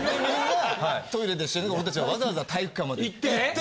トイレでしてるのをわざわざ体育館まで行って。